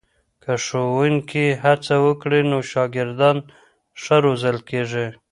که ښوونکي هڅه وکړي نو شاګردان ښه روزل کېږي.